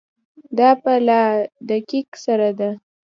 دا په لا دقت سره ده.